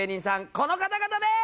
この方々です！